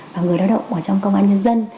và người lao động ở trong công an nhân dân